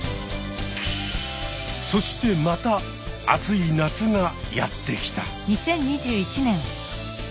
そしてまた暑い夏がやって来た。